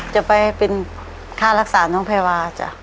จะไปเป็นค้ารักษาน้องเพวาอาจจะ